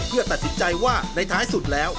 เพื่อตัดสินใจว่าในท้ายสุดแล้ว